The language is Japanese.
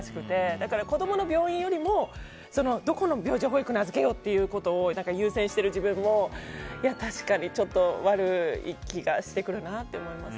だから子供の病院のよりもどこの病児保育に預けようかとか優先している自分も確かにちょっと悪い気がしてくるなって思います。